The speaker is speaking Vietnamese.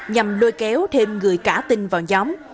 nhằm lôi kéo thêm người cả tin vào nhóm